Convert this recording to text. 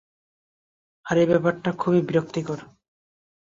আর এ ব্যাপারটা খুবই বিরক্তিকর।